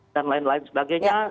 dan lain lain sebagainya